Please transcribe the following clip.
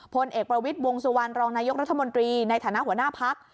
พลเอกประวิทย์วงสุวรรณรองนายกรัฐมนตรีในฐานะหัวหน้าพัก